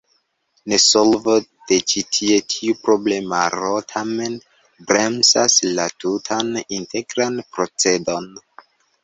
Nesolvo de ĉi tiu problemaro tamen bremsas la tutan integran procedon.